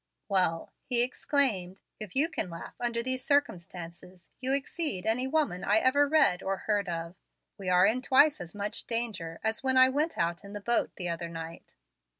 "Well," he exclaimed, "if you can laugh under these circumstances, you exceed any woman I ever read or heard of. We are in twice as much danger as when I went out in the boat the other night."